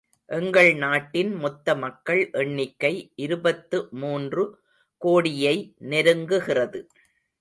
எங்கள் நாட்டின் மொத்த மக்கள் எண்ணிக்கை இருபத்து மூன்று கோடியை நெருங்குகிறது.